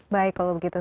baik kalau begitu